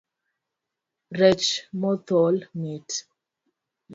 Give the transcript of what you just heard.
Rech mothol mit.